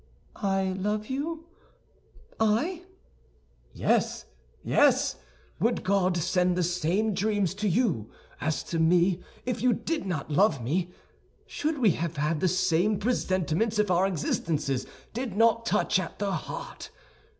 "I love you, I?" "Yes, yes. Would God send the same dreams to you as to me if you did not love me? Should we have the same presentiments if our existences did not touch at the heart?